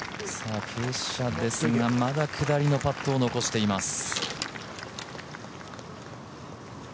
傾斜ですがまだ下りのパットを残しています。